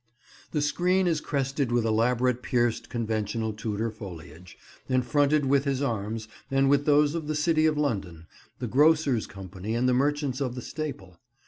The screen is crested with elaborate pierced conventional Tudor foliage, and fronted with his arms, and with those of the City of London, the Grocers' Company, and the Merchants of the Staple.